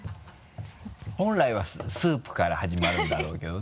本来はスープから始まるんだろうけどね